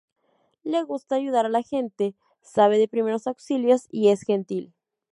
Le gusta ayudar a la gente, sabe de primeros auxilios y es gentil.